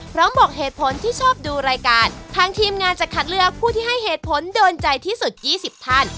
บอกเหตุผลที่ชอบดูรายการทางทีมงานจะคัดเลือกผู้ที่ให้เหตุผลโดนใจที่สุด๒๐ท่าน